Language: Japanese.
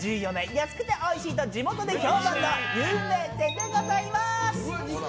安くておいしいと地元で評判の有名店でございます。